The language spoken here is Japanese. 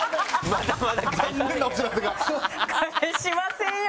帰しませんよ。